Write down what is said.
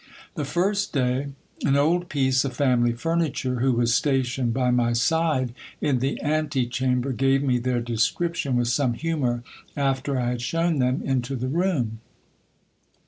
The first day, an old piece of family furniture, who was stationed by my side m the ante chamber, gave me their description with some humour, after I had shown them into the room.